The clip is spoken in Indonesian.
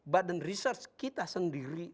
badan research kita sendiri